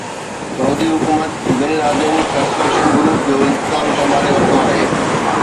سعودي حڪومت bin Laden construction group جو انتظام سنڀالي ورتو آهي